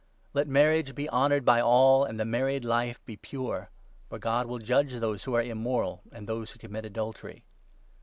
Let marriage be 4 honoured by all and the married life be pure; for God will judge those who are immoral and those who commit adultery.